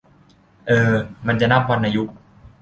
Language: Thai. เออ มันจะนับวรรณยุกต์